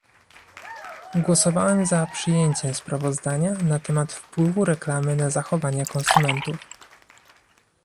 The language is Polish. Głosowałem za przyjęciem sprawozdania na temat wpływu reklamy na zachowania konsumentów